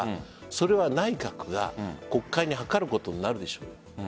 それは内閣が国会に諮ることになるでしょう。